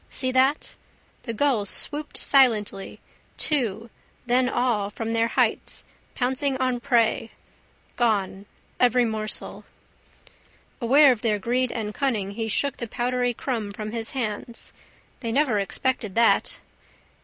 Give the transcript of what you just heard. See that? The gulls swooped silently, two, then all from their heights, pouncing on prey. Gone. Every morsel. Aware of their greed and cunning he shook the powdery crumb from his hands. They never expected that.